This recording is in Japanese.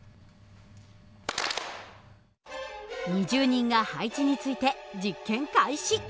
２０人が配置について実験開始。